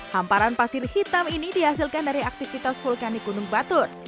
hamparan pasir hitam ini dihasilkan dari aktivitas vulkanik gunung batur